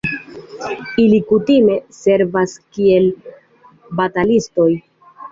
Ili kutime servas kiel batalistoj.